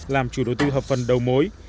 làm chủ đối tư hợp phần đầu mối